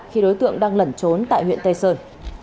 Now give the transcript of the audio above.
khi đối tượng đang lẩn trốn tại huyện tây sơn